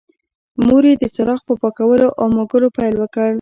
مور یې د څراغ په پاکولو او موږلو پیل وکړ.